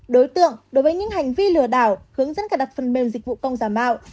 đối tượng đối với những hành vi lừa đảo hướng dẫn cài đặt phần mềm dịch vụ công giả mạo